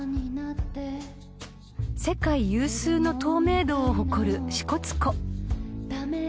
［世界有数の透明度を誇る支笏湖］